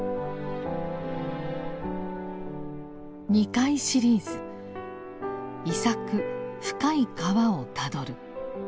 「２回シリーズ遺作『深い河』をたどる」。